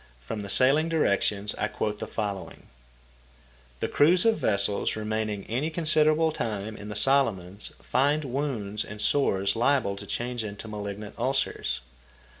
From the "Sailing Directions" I quote the following: "The crews of vessels remaining any considerable time in the Solomons find wounds and sores liable to change into malignant ulcers."